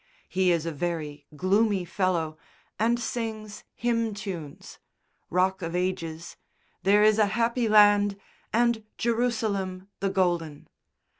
He is a very gloomy fellow and sings hymn tunes, "Rock of Ages," "There is a Happy Land," and "Jerusalem the Golden."